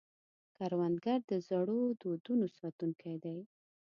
کروندګر د زړو دودونو ساتونکی دی